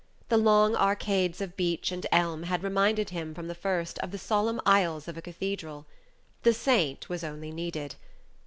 The long arcades of beech and elm had reminded him from the first of the solemn aisles of a cathedral. The saint was only needed.